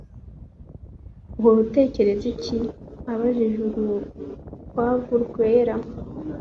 uhora utekereza iki? abajije urukwavu rwera